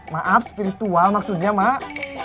maaf spiritual maksudnya mak